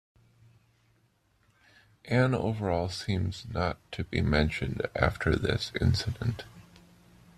Anne Overall seems not to be mentioned after this incident.